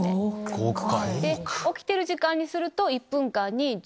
起きてる時間にすると。